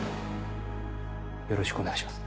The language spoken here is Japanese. よろしくお願いします。